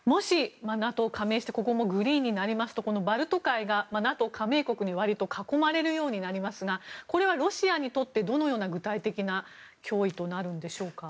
もしＮＡＴＯ加盟してここもグリーンになりますとバルト海がＮＡＴＯ加盟国に囲まれるようになりますがこれはロシアにとってどのような具体的な脅威となるんでしょうか。